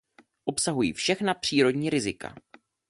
Obsahují všechna přírodní rizika.